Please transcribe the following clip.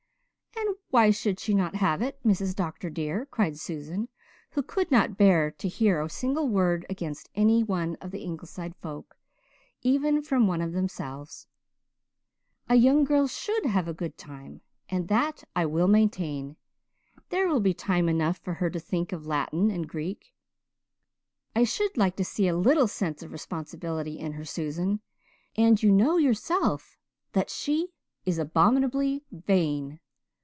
"And why should she not have it, Mrs. Dr. dear?" cried Susan, who could not bear to hear a single word against anyone of the Ingleside folk, even from one of themselves. "A young girl should have a good time, and that I will maintain. There will be time enough for her to think of Latin and Greek." "I should like to see a little sense of responsibility in her, Susan. And you know yourself that she is abominably vain."